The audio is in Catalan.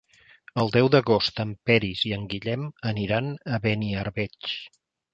El deu d'agost en Peris i en Guillem aniran a Beniarbeig.